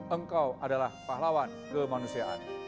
engkau adalah pahlawan kemanusiaan